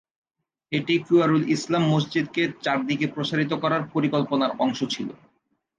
এটি কুয়্যার-উল-ইসলাম মসজিদকে চারদিকে প্রসারিত করার পরিকল্পনার অংশ ছিল।